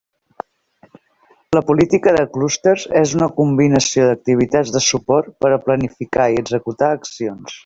La política de clústers és una combinació d'activitats de suport per a planificar i executar accions.